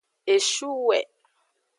Eshuwe.